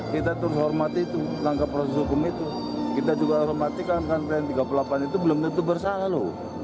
kita terus hormati langkah proses hukum itu kita juga hormati kawan kawan dprd tiga puluh delapan itu belum tentu bersalah loh